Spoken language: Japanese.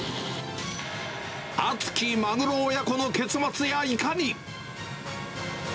熱きマグロ親子の結末やいかに？